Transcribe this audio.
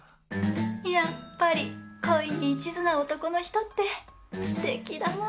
やっぱり恋に一途な男の人ってすてきだな！